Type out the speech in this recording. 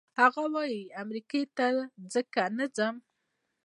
هغه وايي امریکې ته ځکه نه ځم.